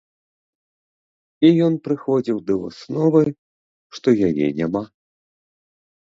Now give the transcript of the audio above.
І ён прыходзіў да высновы, што яе няма.